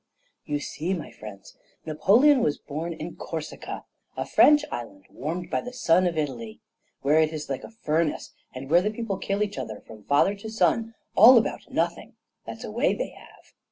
] You see, my friends, Napoleon was born in Corsica, a French island, warmed by the sun of Italy, where it is like a furnace, and where the people kill each other, from father to son, all about nothing: that's a way they have.